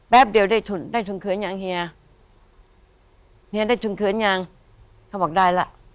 แป๊บเดี๋ยวได้ทุนเขือนยังเฮียเฮียได้ทุนเขือนยังเขาบอกได้ล่ะ